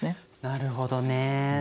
なるほどね。